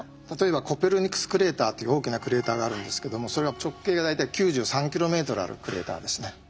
例えばコペルニクスクレーターという大きなクレーターがあるんですけどもそれは直径が大体９３ｋｍあるクレーターですね。